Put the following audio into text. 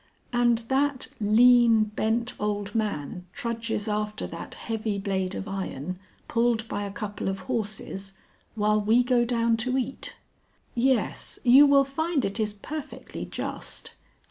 "And that lean, bent old man trudges after that heavy blade of iron pulled by a couple of horses while we go down to eat?" "Yes. You will find it is perfectly just.